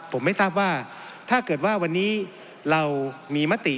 ผมไม่ทราบว่าถ้าเกิดว่าวันนี้เรามีมติ